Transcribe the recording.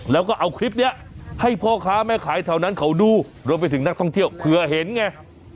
แล้วก็เอาคลิปนี้ให้พ่อค้าแม่ขายแถวนั้นเขาดูรวมไปถึงนักท่องเที่ยวเผื่อเห็นไง